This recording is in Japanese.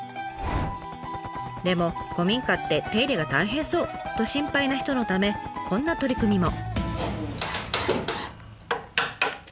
でも古民家って手入れが大変そうと心配な人のためこんな取り組みも。